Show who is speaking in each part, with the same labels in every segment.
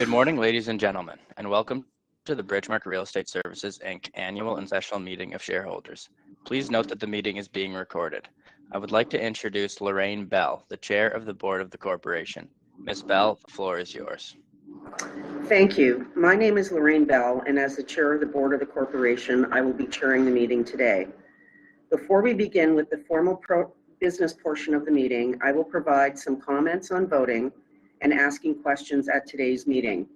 Speaker 1: Good morning, ladies and gentlemen, and welcome to the Bridgemarq Real Estate Services annual and session meeting of shareholders. Please note that the meeting is being recorded. I would like to introduce Lorraine Bell, the Chair of the Board of the Corporation. Ms. Bell, the floor is yours.
Speaker 2: Thank you. My name is Lorraine Bell, and as the Chair of the Board of the Corporation, I will be chairing the meeting today. Before we begin with the formal business portion of the meeting, I will provide some comments on voting and asking questions at today's meeting.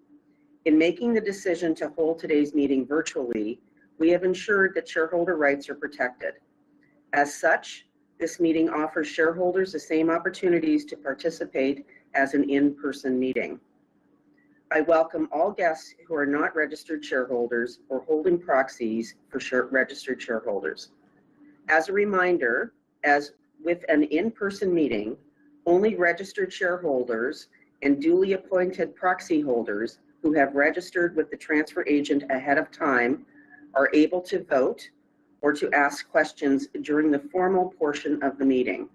Speaker 2: In making the decision to hold today's meeting virtually, we have ensured that shareholder rights are protected. As such, this meeting offers shareholders the same opportunities to participate as an in-person meeting. I welcome all guests who are not registered shareholders or holding proxies for registered shareholders. As a reminder, as with an in-person meeting, only registered shareholders and duly appointed proxy holders who have registered with the transfer agent ahead of time are able to vote or to ask questions during the formal portion of the meeting.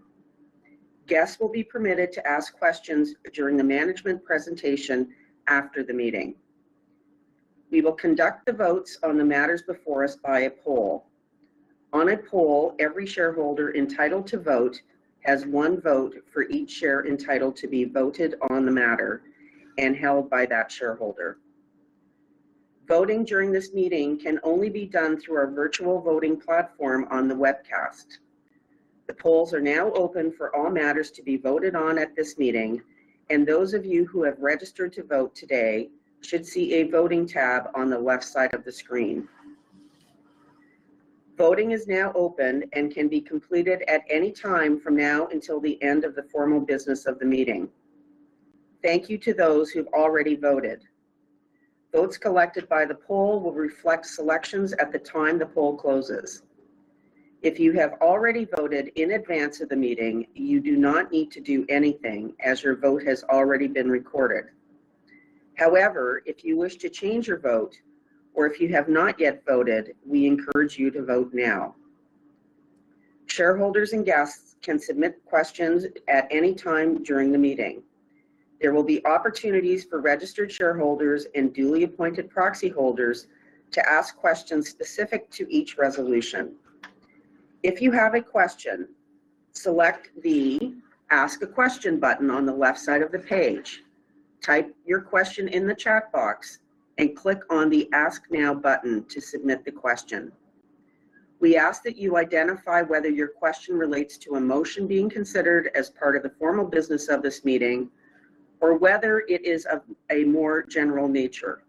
Speaker 2: Guests will be permitted to ask questions during the management presentation after the meeting. We will conduct the votes on the matters before us by a poll. On a poll, every shareholder entitled to vote has one vote for each share entitled to be voted on the matter and held by that shareholder. Voting during this meeting can only be done through our virtual voting platform on the webcast. The polls are now open for all matters to be voted on at this meeting, and those of you who have registered to vote today should see a voting tab on the left side of the screen. Voting is now open and can be completed at any time from now until the end of the formal business of the meeting. Thank you to those who have already voted. Votes collected by the poll will reflect selections at the time the poll closes. If you have already voted in advance of the meeting, you do not need to do anything as your vote has already been recorded. However, if you wish to change your vote or if you have not yet voted, we encourage you to vote now. Shareholders and guests can submit questions at any time during the meeting. There will be opportunities for registered shareholders and duly appointed proxy holders to ask questions specific to each resolution. If you have a question, select the ask a question button on the left side of the page. Type your question in the chat box and click on the ask now button to submit the question. We ask that you identify whether your question relates to a motion being considered as part of the formal business of this meeting or whether it is of a more general nature.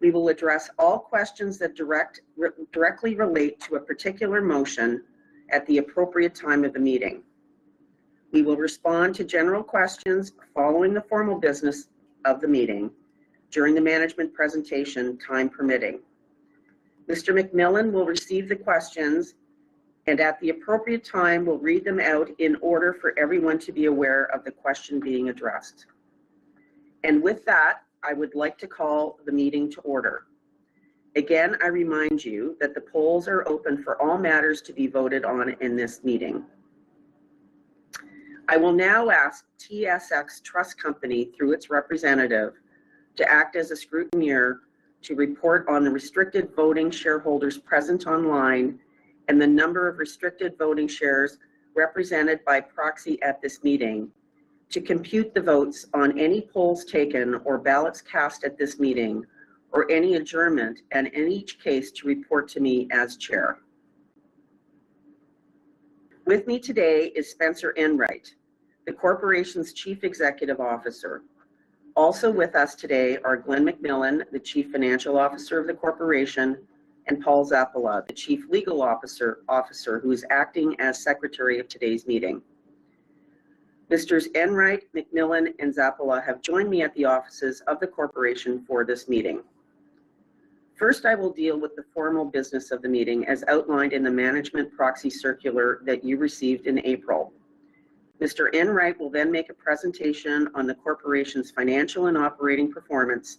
Speaker 2: We will address all questions that directly relate to a particular motion at the appropriate time of the meeting. We will respond to general questions following the formal business of the meeting during the management presentation time permitting. Mr. McMillan will receive the questions and at the appropriate time will read them out in order for everyone to be aware of the question being addressed. With that, I would like to call the meeting to order. Again, I remind you that the polls are open for all matters to be voted on in this meeting. I will now ask TSX Trust Company through its representative to act as a scrutineer to report on the restricted voting shareholders present online and the number of restricted voting shares represented by proxy at this meeting, to compute the votes on any polls taken or ballots cast at this meeting, or any adjournment, and in each case to report to me as Chair. With me today is Spencer Enright, the Corporation's Chief Executive Officer. Also with us today are Glen McMillan, the Chief Financial Officer of the Corporation, and Paul Zappala, the Chief Legal Officer, who is acting as Secretary of today's meeting. Mr. Enright, McMillan, and Zappala have joined me at the offices of the Corporation for this meeting. First, I will deal with the formal business of the meeting as outlined in the management proxy circular that you received in April. Mr. Enright will then make a presentation on the Corporation's financial and operating performance,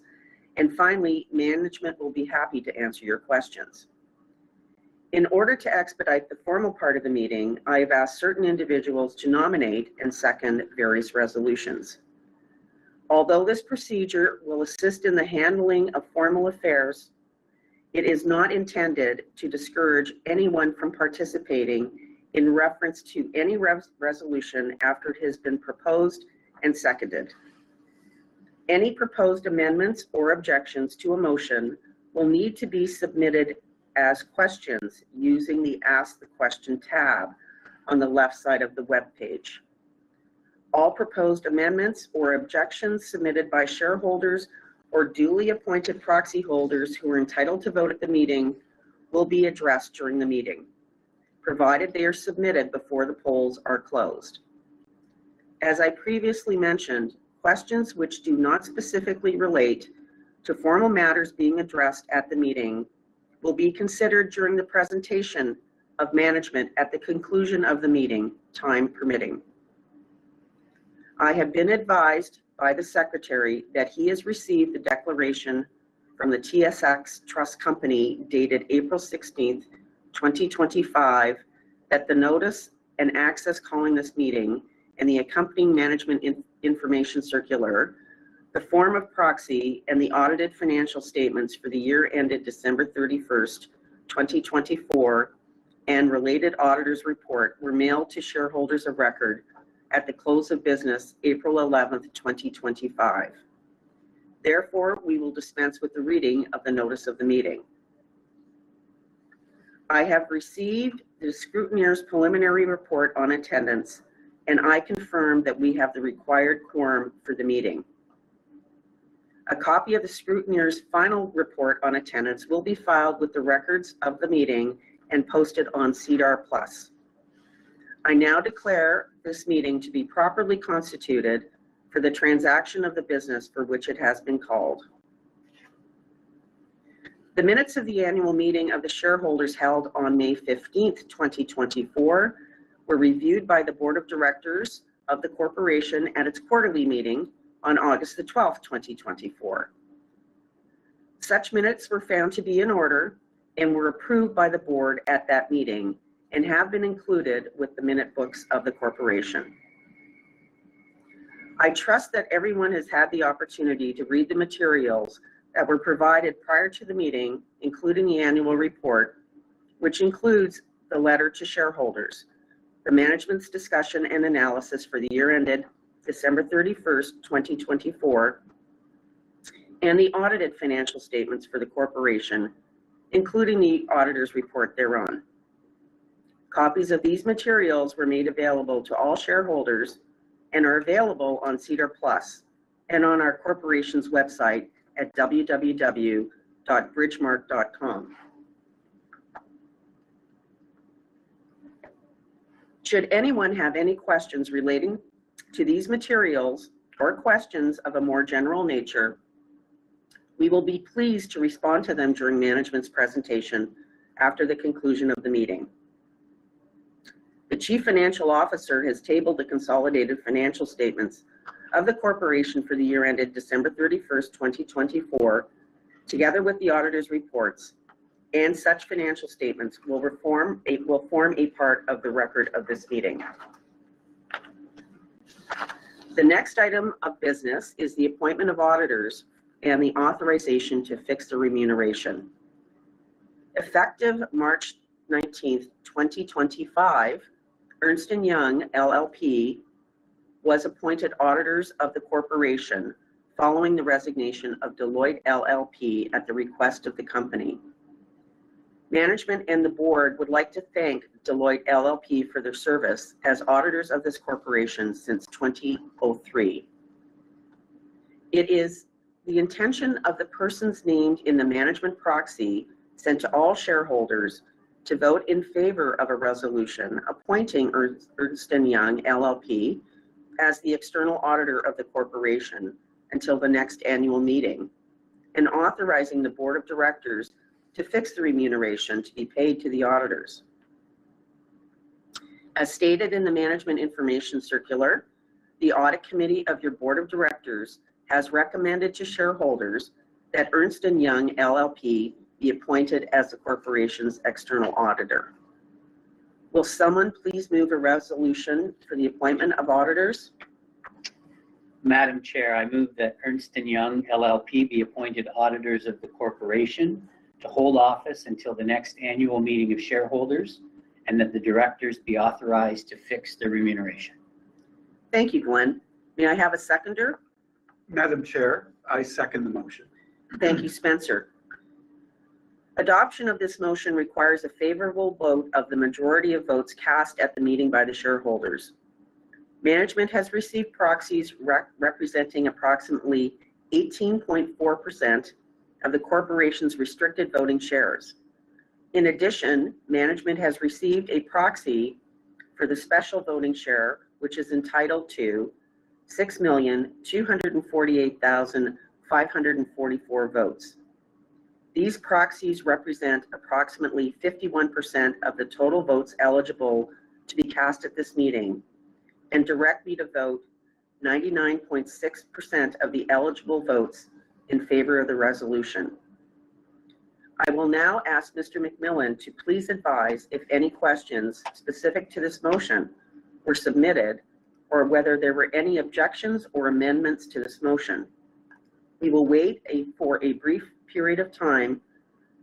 Speaker 2: and finally, management will be happy to answer your questions. In order to expedite the formal part of the meeting, I have asked certain individuals to nominate and second various resolutions. Although this procedure will assist in the handling of formal affairs, it is not intended to discourage anyone from participating in reference to any resolution after it has been proposed and seconded. Any proposed amendments or objections to a motion will need to be submitted as questions using the ask the question tab on the left side of the webpage. All proposed amendments or objections submitted by shareholders or duly appointed proxy holders who are entitled to vote at the meeting will be addressed during the meeting, provided they are submitted before the polls are closed. As I previously mentioned, questions which do not specifically relate to formal matters being addressed at the meeting will be considered during the presentation of management at the conclusion of the meeting, time permitting. I have been advised by the secretary that he has received the declaration from the TSX Trust Company dated April 16th, 2025, that the notice and access calling this meeting and the accompanying management information circular, the form of proxy, and the audited financial statements for the year ended December 31st, 2024, and related auditor's report were mailed to shareholders of record at the close of business, April 11th, 2025. Therefore, we will dispense with the reading of the notice of the meeting. I have received the scrutineer's preliminary report on attendance, and I confirm that we have the required quorum for the meeting. A copy of the scrutineer's final report on attendance will be filed with the records of the meeting and posted on SEDAR+. I now declare this meeting to be properly constituted for the transaction of the business for which it has been called. The minutes of the annual meeting of the shareholders held on May 15th, 2024, were reviewed by the Board of Directors of the Corporation at its quarterly meeting on August 12th, 2024. Such minutes were found to be in order and were approved by the Board at that meeting and have been included with the minute books of the Corporation. I trust that everyone has had the opportunity to read the materials that were provided prior to the meeting, including the annual report, which includes the letter to shareholders, the management's discussion and analysis for the year ended December 31st, 2024, and the audited financial statements for the Corporation, including the auditor's report thereon. Copies of these materials were made available to all shareholders and are available on SEDAR+ and on our Corporation's website at www.bridgemarq.com. Should anyone have any questions relating to these materials or questions of a more general nature, we will be pleased to respond to them during management's presentation after the conclusion of the meeting. The Chief Financial Officer has tabled the consolidated financial statements of the Corporation for the year ended December 31st, 2024, together with the auditor's reports, and such financial statements will form a part of the record of this meeting. The next item of business is the appointment of auditors and the authorization to fix the remuneration. Effective March 19th, 2025, Ernst & Young LLP was appointed auditors of the Corporation following the resignation of Deloitte LLP at the request of the company. Management and the Board would like to thank Deloitte LLP for their service as auditors of this Corporation since 2003. It is the intention of the persons named in the management proxy sent to all shareholders to vote in favor of a resolution appointing Ernst & Young LLP as the external auditor of the Corporation until the next annual meeting and authorizing the Board of Directors to fix the remuneration to be paid to the auditors. As stated in the management information circular, the audit committee of your Board of Directors has recommended to shareholders that Ernst & Young LLP be appointed as the Corporation's external auditor. Will someone please move a resolution for the appointment of auditors?
Speaker 3: Madam Chair, I move that Ernst & Young LLP be appointed auditors of the Corporation to hold office until the next annual meeting of shareholders and that the directors be authorized to fix the remuneration.
Speaker 2: Thank you, Glen. May I have a seconder?
Speaker 4: Madam Chair, I second the motion.
Speaker 2: Thank you, Spencer. Adoption of this motion requires a favorable vote of the majority of votes cast at the meeting by the shareholders. Management has received proxies representing approximately 18.4% of the Corporation's restricted voting shares. In addition, management has received a proxy for the special voting share, which is entitled to 6,248,544 votes. These proxies represent approximately 51% of the total votes eligible to be cast at this meeting and directly to vote 99.6% of the eligible votes in favor of the resolution. I will now ask Mr. McMillan to please advise if any questions specific to this motion were submitted or whether there were any objections or amendments to this motion. We will wait for a brief period of time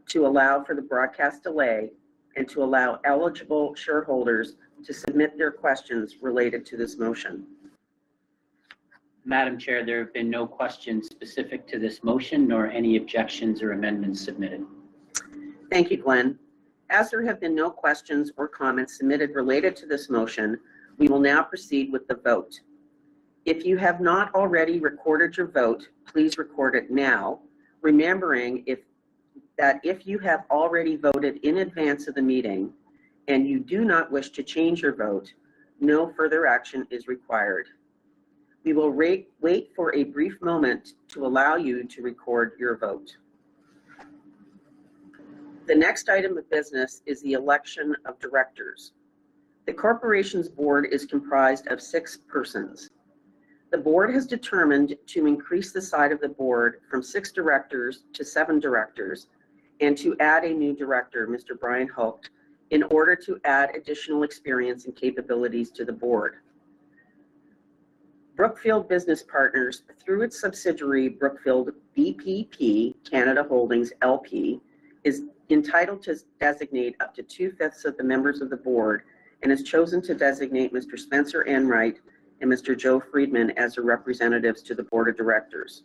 Speaker 2: to allow for the broadcast delay and to allow eligible shareholders to submit their questions related to this motion.
Speaker 3: Madam Chair, there have been no questions specific to this motion nor any objections or amendments submitted.
Speaker 2: Thank you, Glen. As there have been no questions or comments submitted related to this motion, we will now proceed with the vote. If you have not already recorded your vote, please record it now, remembering that if you have already voted in advance of the meeting and you do not wish to change your vote, no further action is required. We will wait for a brief moment to allow you to record your vote. The next item of business is the election of directors. The Corporation's board is comprised of six persons. The board has determined to increase the size of the board from six directors to seven directors and to add a new director, Mr. Brian Holt, in order to add additional experience and capabilities to the board. Brookfield Business Partners, through its subsidiary, Brookfield BBP Canada Holdings LP, is entitled to designate up to two-fifths of the members of the board and has chosen to designate Mr. Spencer Enright and Mr. Joe Friedman as their representatives to the Board of Directors.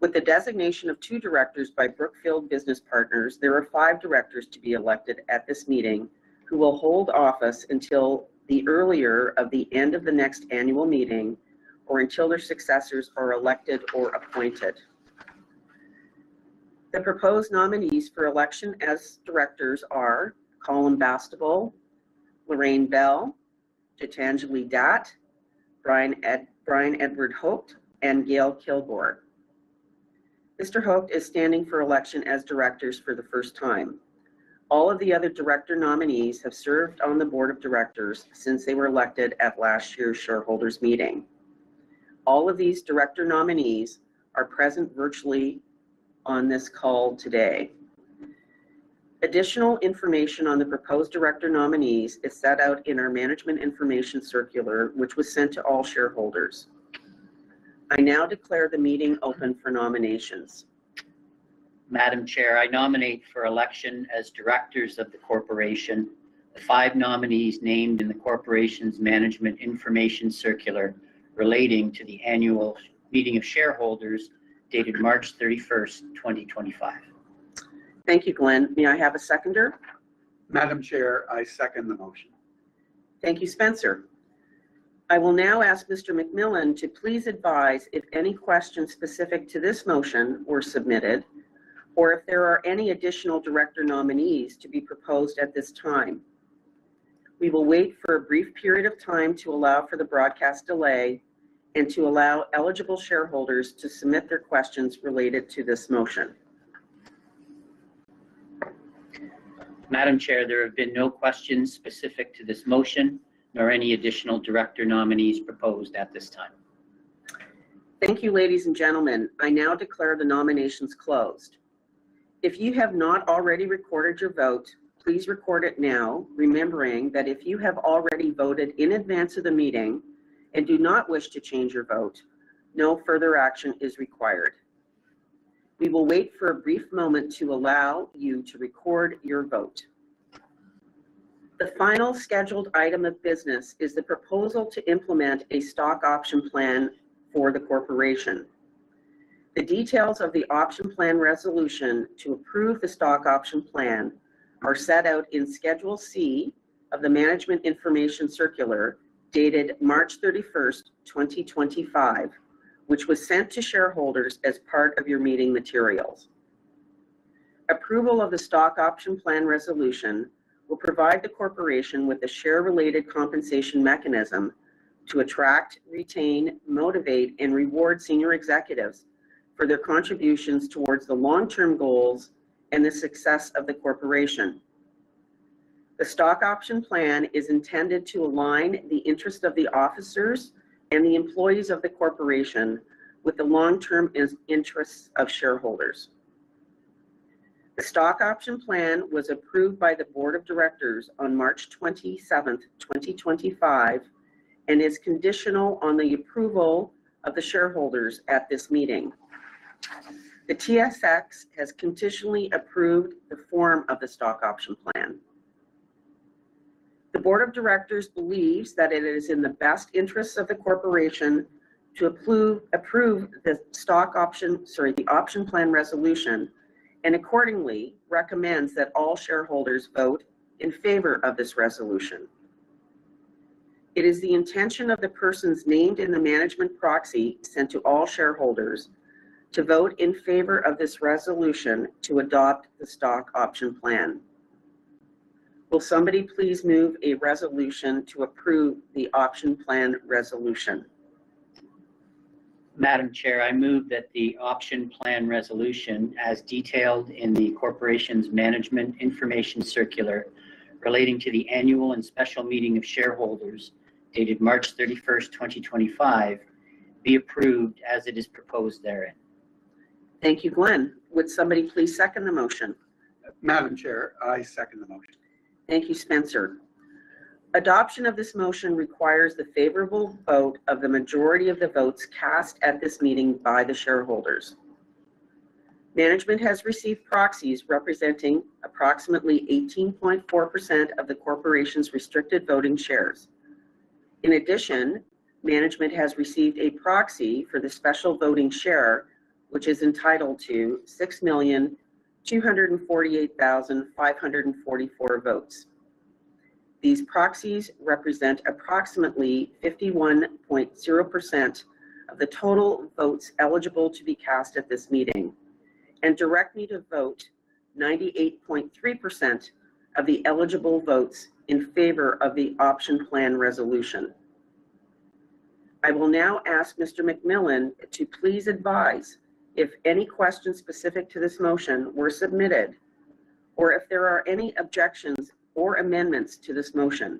Speaker 2: With the designation of two directors by Brookfield Business Partners, there are five directors to be elected at this meeting who will hold office until the earlier of the end of the next annual meeting or until their successors are elected or appointed. The proposed nominees for election as Directors are Colum Bastable, Lorraine Bell, Jitanjli Datt, Brian Edward Holt, and Gail Kilgore. Mr. Holt is standing for election as director for the first time. All of the other director nominees have served on the Board of Directors since they were elected at last year's shareholders meeting. All of these director nominees are present virtually on this call today. Additional information on the proposed director nominees is set out in our management information circular, which was sent to all shareholders. I now declare the meeting open for nominations.
Speaker 3: Madam Chair, I nominate for election as directors of the Corporation the five nominees named in the Corporation's management information circular relating to the annual meeting of shareholders dated March 31st, 2025.
Speaker 2: Thank you, Glen. May I have a seconder?
Speaker 4: Madam Chair, I second the motion.
Speaker 2: Thank you, Spencer. I will now ask Mr. McMillan to please advise if any questions specific to this motion were submitted or if there are any additional director nominees to be proposed at this time. We will wait for a brief period of time to allow for the broadcast delay and to allow eligible shareholders to submit their questions related to this motion.
Speaker 3: Madam Chair, there have been no questions specific to this motion nor any additional director nominees proposed at this time.
Speaker 2: Thank you, ladies and gentlemen. I now declare the nominations closed. If you have not already recorded your vote, please record it now, remembering that if you have already voted in advance of the meeting and do not wish to change your vote, no further action is required. We will wait for a brief moment to allow you to record your vote. The final scheduled item of business is the proposal to implement a stock option plan for the Corporation. The details of the option plan resolution to approve the stock option plan are set out in Schedule C of the management information circular dated March 31st, 2025, which was sent to shareholders as part of your meeting materials. Approval of the stock option plan resolution will provide the Corporation with a share-related compensation mechanism to attract, retain, motivate, and reward senior executives for their contributions towards the long-term goals and the success of the Corporation. The stock option plan is intended to align the interests of the officers and the employees of the Corporation with the long-term interests of shareholders. The stock option plan was approved by the Board of Directors on March 27th, 2025, and is conditional on the approval of the shareholders at this meeting. The TSX has conditionally approved the form of the stock option plan. The Board of Directors believes that it is in the best interests of the Corporation to approve the stock option plan resolution and accordingly recommends that all shareholders vote in favor of this resolution. It is the intention of the persons named in the management proxy sent to all shareholders to vote in favor of this resolution to adopt the stock option plan. Will somebody please move a resolution to approve the option plan resolution?
Speaker 3: Madam Chair, I move that the option plan resolution as detailed in the Corporation's management information circular relating to the annual and special meeting of shareholders dated March 31st, 2025, be approved as it is proposed therein.
Speaker 2: Thank you, Glen. Would somebody please second the motion?
Speaker 4: Madam Chair, I second the motion.
Speaker 2: Thank you, Spencer. Adoption of this motion requires the favorable vote of the majority of the votes cast at this meeting by the shareholders. Management has received proxies representing approximately 18.4% of the Corporation's restricted voting shares. In addition, management has received a proxy for the special voting share, which is entitled to 6,248,544 votes. These proxies represent approximately 51.0% of the total votes eligible to be cast at this meeting and directly to vote 98.3% of the eligible votes in favor of the option plan resolution. I will now ask Mr. McMillan to please advise if any questions specific to this motion were submitted or if there are any objections or amendments to this motion.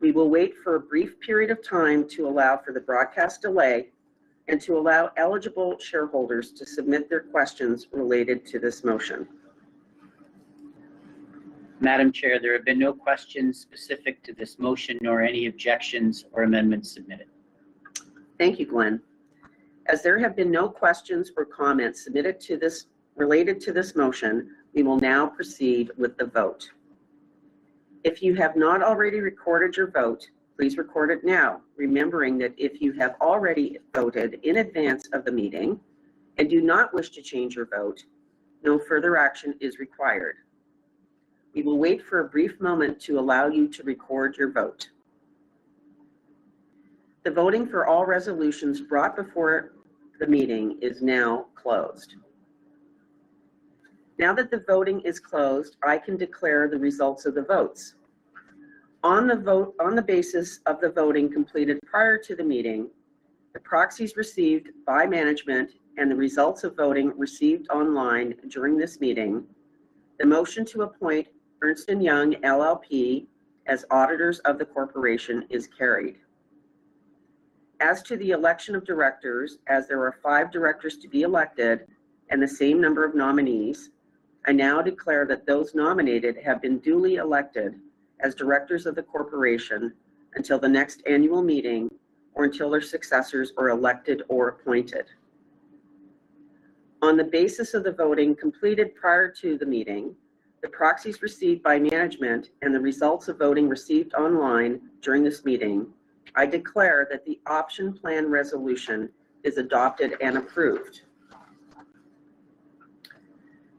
Speaker 2: We will wait for a brief period of time to allow for the broadcast delay and to allow eligible shareholders to submit their questions related to this motion.
Speaker 3: Madam Chair, there have been no questions specific to this motion nor any objections or amendments submitted.
Speaker 2: Thank you, Glen. As there have been no questions or comments related to this motion, we will now proceed with the vote. If you have not already recorded your vote, please record it now, remembering that if you have already voted in advance of the meeting and do not wish to change your vote, no further action is required. We will wait for a brief moment to allow you to record your vote. The voting for all resolutions brought before the meeting is now closed. Now that the voting is closed, I can declare the results of the votes. On the basis of the voting completed prior to the meeting, the proxies received by management and the results of voting received online during this meeting, the motion to appoint Ernst & Young LLP as auditors of the Corporation is carried. As to the election of directors, as there are five directors to be elected and the same number of nominees, I now declare that those nominated have been duly elected as directors of the Corporation until the next annual meeting or until their successors are elected or appointed. On the basis of the voting completed prior to the meeting, the proxies received by management and the results of voting received online during this meeting, I declare that the option plan resolution is adopted and approved.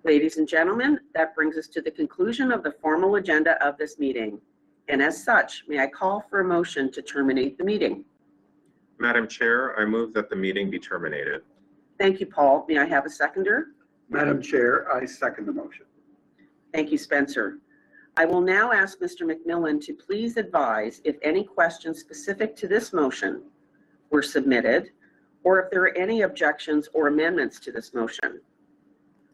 Speaker 2: Ladies and gentlemen, that brings us to the conclusion of the formal agenda of this meeting. As such, may I call for a motion to terminate the meeting?
Speaker 5: Madam Chair, I move that the meeting be terminated.
Speaker 2: Thank you, Paul. May I have a seconder?
Speaker 4: Madam Chair, I second the motion.
Speaker 2: Thank you, Spencer. I will now ask Mr. McMillan to please advise if any questions specific to this motion were submitted or if there are any objections or amendments to this motion.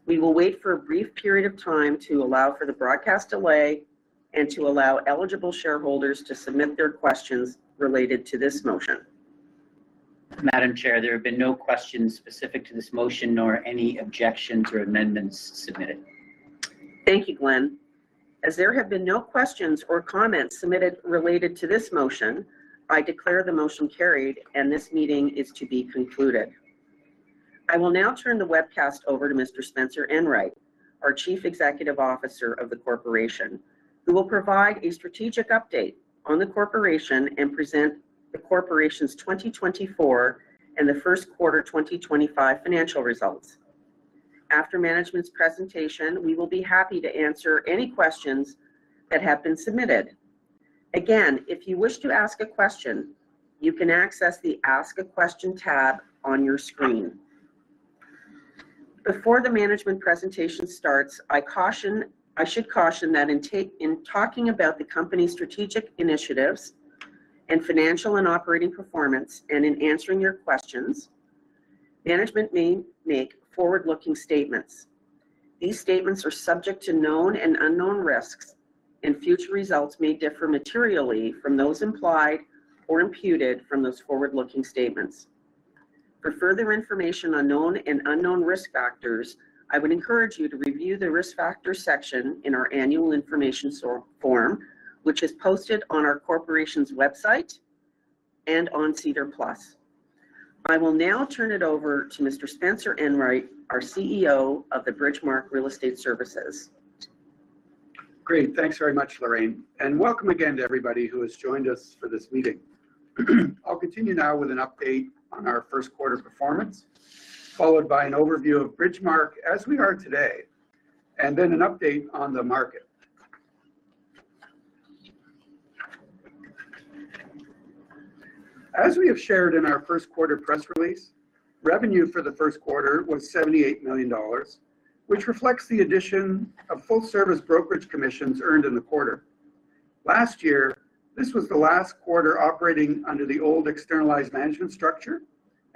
Speaker 2: We will wait for a brief period of time to allow for the broadcast delay and to allow eligible shareholders to submit their questions related to this motion.
Speaker 3: Madam Chair, there have been no questions specific to this motion nor any objections or amendments submitted.
Speaker 2: Thank you, Glen. As there have been no questions or comments submitted related to this motion, I declare the motion carried and this meeting is to be concluded. I will now turn the webcast over to Mr. Spencer Enright, our Chief Executive Officer of the Corporation, who will provide a strategic update on the Corporation and present the Corporation's 2024 and the first quarter 2025 financial results. After management's presentation, we will be happy to answer any questions that have been submitted. Again, if you wish to ask a question, you can access the ask a question tab on your screen. Before the management presentation starts, I should caution that in talking about the company's strategic initiatives and financial and operating performance and in answering your questions, management may make forward-looking statements. These statements are subject to known and unknown risks, and future results may differ materially from those implied or imputed from those forward-looking statements. For further information on known and unknown risk factors, I would encourage you to review the risk factor section in our annual information form, which is posted on our corporation's website and on SEDAR+. I will now turn it over to Mr. Spencer Enright, our CEO of Bridgemarq Real Estate Services.
Speaker 4: Great. Thanks very much, Lorraine. Welcome again to everybody who has joined us for this meeting. I'll continue now with an update on our first quarter performance, followed by an overview of Bridgemarq as we are today, and then an update on the market. As we have shared in our first quarter press release, revenue for the first quarter was $78 million, which reflects the addition of full-service brokerage commissions earned in the quarter. Last year, this was the last quarter operating under the old externalized management structure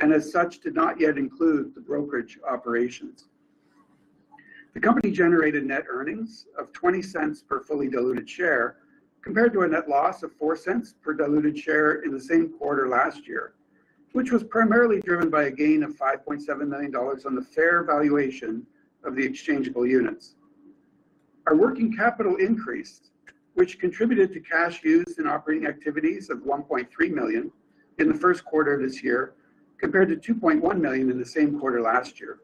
Speaker 4: and as such did not yet include the brokerage operations. The company generated net earnings of $0.20 per fully diluted share compared to a net loss of $0.04 per diluted share in the same quarter last year, which was primarily driven by a gain of $5.7 million on the fair valuation of the exchangeable units. Our working capital increased, which contributed to cash used in operating activities of $1.3 million in the first quarter of this year compared to $2.1 million in the same quarter last year.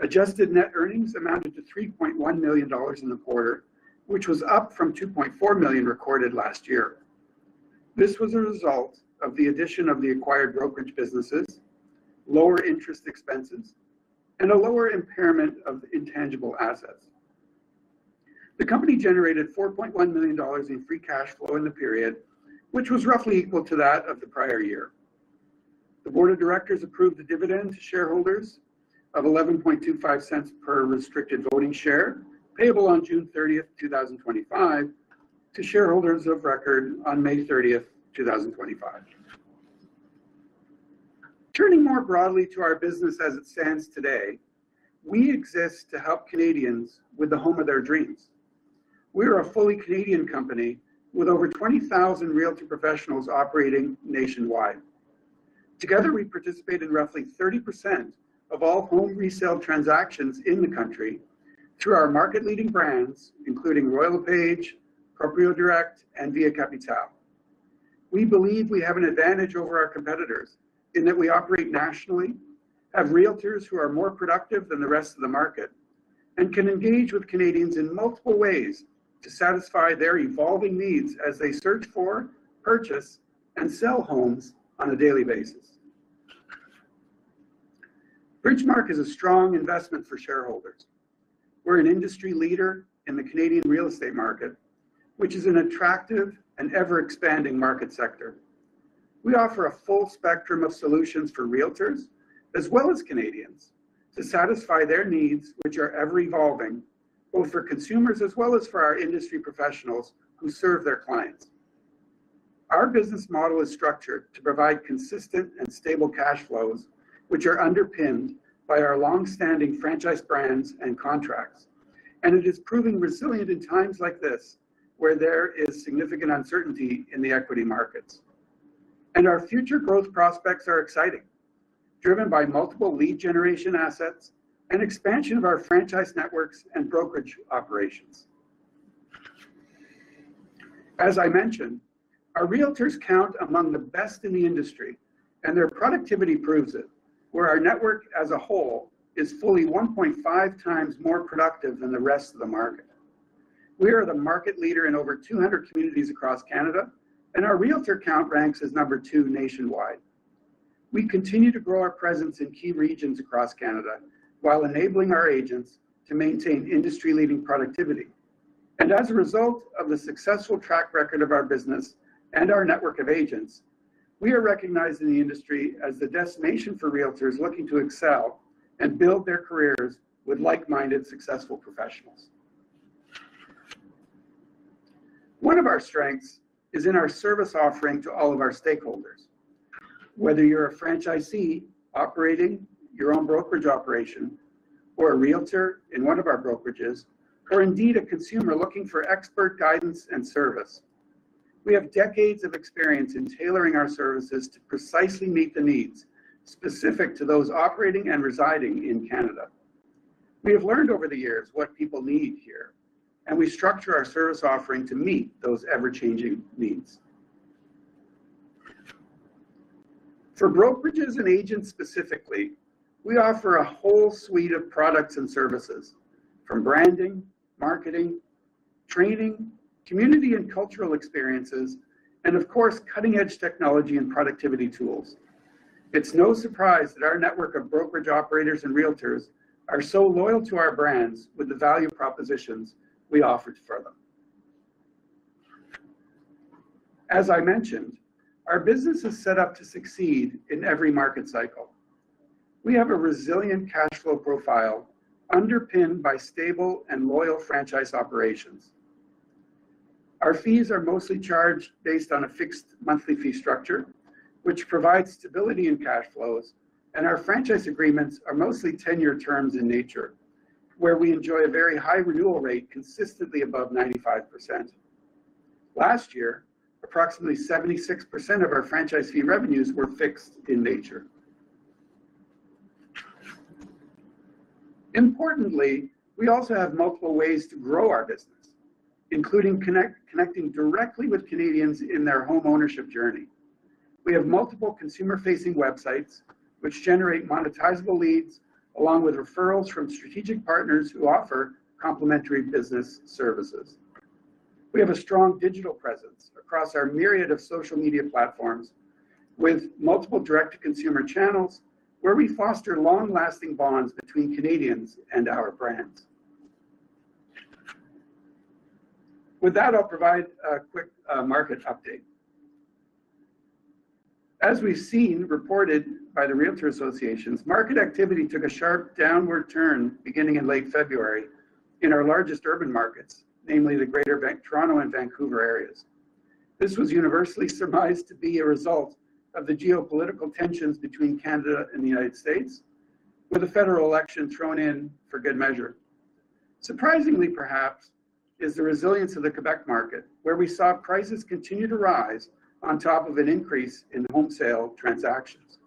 Speaker 4: Adjusted net earnings amounted to $3.1 million in the quarter, which was up from $2.4 million recorded last year. This was a result of the addition of the acquired brokerage businesses, lower interest expenses, and a lower impairment of intangible assets. The company generated $4.1 million in free cash flow in the period, which was roughly equal to that of the prior year. The Board of Directors approved the dividend to shareholders of $11.25 per restricted voting share payable on June 30th, 2025, to shareholders of record on May 30th, 2025. Turning more broadly to our business as it stands today, we exist to help Canadians with the home of their dreams. We are a fully Canadian company with over 20,000 realtor professionals operating nationwide. Together, we participate in roughly 30% of all home resale transactions in the country through our market-leading brands, including Royal LePage, Proprio Direct, and Via Capitale. We believe we have an advantage over our competitors in that we operate nationally, have realtors who are more productive than the rest of the market, and can engage with Canadians in multiple ways to satisfy their evolving needs as they search for, purchase, and sell homes on a daily basis. Bridgemarq is a strong investment for shareholders. We're an industry leader in the Canadian real estate market, which is an attractive and ever-expanding market sector. We offer a full spectrum of solutions for realtors as well as Canadians to satisfy their needs, which are ever-evolving, both for consumers as well as for our industry professionals who serve their clients. Our business model is structured to provide consistent and stable cash flows, which are underpinned by our long-standing franchise brands and contracts. It is proving resilient in times like this where there is significant uncertainty in the equity markets. Our future growth prospects are exciting, driven by multiple lead generation assets and expansion of our franchise networks and brokerage operations. As I mentioned, our realtors count among the best in the industry, and their productivity proves it, where our network as a whole is fully 1.5 times more productive than the rest of the market. We are the market leader in over 200 communities across Canada, and our realtor count ranks as number two nationwide. We continue to grow our presence in key regions across Canada while enabling our agents to maintain industry-leading productivity. As a result of the successful track record of our business and our network of agents, we are recognized in the industry as the destination for realtors looking to excel and build their careers with like-minded successful professionals. One of our strengths is in our service offering to all of our stakeholders. Whether you're a franchisee operating your own brokerage operation or a realtor in one of our brokerages, or indeed a consumer looking for expert guidance and service, we have decades of experience in tailoring our services to precisely meet the needs specific to those operating and residing in Canada. We have learned over the years what people need here, and we structure our service offering to meet those ever-changing needs. For brokerages and agents specifically, we offer a whole suite of products and services from branding, marketing, training, community and cultural experiences, and of course, cutting-edge technology and productivity tools. It's no surprise that our network of brokerage operators and realtors are so loyal to our brands with the value propositions we offer for them. As I mentioned, our business is set up to succeed in every market cycle. We have a resilient cash flow profile underpinned by stable and loyal franchise operations. Our fees are mostly charged based on a fixed monthly fee structure, which provides stability in cash flows, and our franchise agreements are mostly tenure terms in nature, where we enjoy a very high renewal rate consistently above 95%. Last year, approximately 76% of our franchise fee revenues were fixed in nature. Importantly, we also have multiple ways to grow our business, including connecting directly with Canadians in their homeownership journey. We have multiple consumer-facing websites, which generate monetizable leads along with referrals from strategic partners who offer complementary business services. We have a strong digital presence across our myriad of social media platforms with multiple direct-to-consumer channels where we foster long-lasting bonds between Canadians and our brands. With that, I'll provide a quick market update. As we've seen reported by the Realtor Associations, market activity took a sharp downward turn beginning in late February in our largest urban markets, namely the Greater Toronto Area and Vancouver. This was universally surmised to be a result of the geopolitical tensions between Canada and the United States, with a federal election thrown in for good measure. Surprisingly, perhaps, is the resilience of the Quebec market, where we saw prices continue to rise on top of an increase in home sale transactions.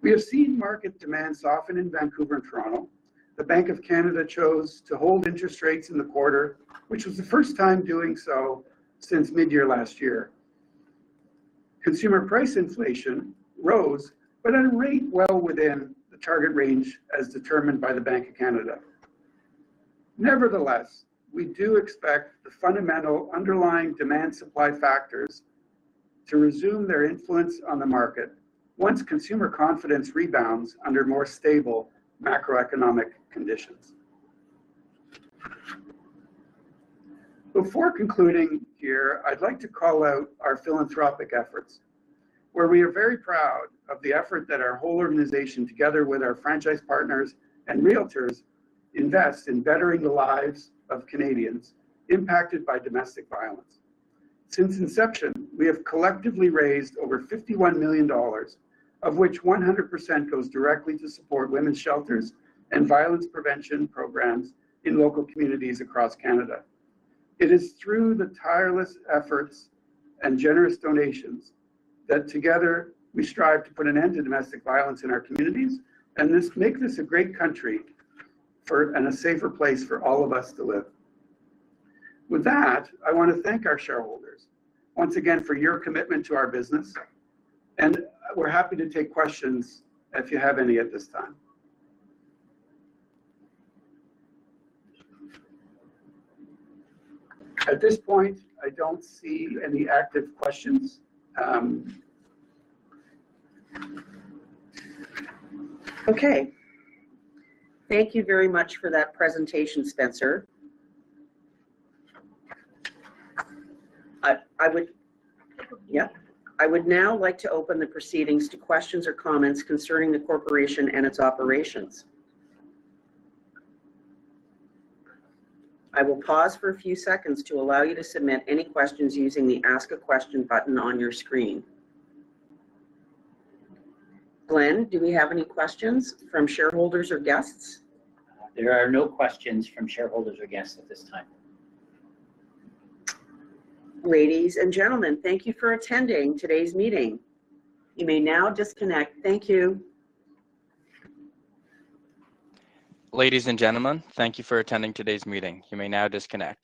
Speaker 4: We have seen market demand soften in Vancouver and Toronto. The Bank of Canada chose to hold interest rates in the quarter, which was the first time doing so since mid-year last year. Consumer price inflation rose, but at a rate well within the target range as determined by the Bank of Canada. Nevertheless, we do expect the fundamental underlying demand-supply factors to resume their influence on the market once consumer confidence rebounds under more stable macroeconomic conditions. Before concluding here, I'd like to call out our philanthropic efforts, where we are very proud of the effort that our whole organization, together with our franchise partners and realtors, invests in bettering the lives of Canadians impacted by domestic violence. Since inception, we have collectively raised over $51 million, of which 100% goes directly to support women's shelters and violence prevention programs in local communities across Canada. It is through the tireless efforts and generous donations that together we strive to put an end to domestic violence in our communities and make this a great country and a safer place for all of us to live. With that, I want to thank our shareholders once again for your commitment to our business, and we're happy to take questions if you have any at this time. At this point, I do not see any active questions.
Speaker 2: Okay. Thank you very much for that presentation, Spencer. I would now like to open the proceedings to questions or comments concerning the Corporation and its operations. I will pause for a few seconds to allow you to submit any questions using the Ask a Question button on your screen. Glen, do we have any questions from shareholders or guests?
Speaker 3: There are no questions from shareholders or guests at this time.
Speaker 2: Ladies and gentlemen, thank you for attending today's meeting. You may now disconnect. Thank you.
Speaker 1: Ladies and gentlemen, thank you for attending today's meeting. You may now disconnect.